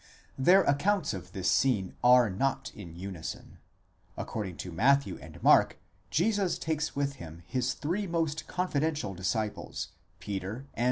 Their accounts of this scene are not in unison. According to Matthew and Mark, Jesus takes with him his three most confidential disciples, Peter and.